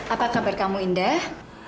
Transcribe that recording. apa kabar kamu indah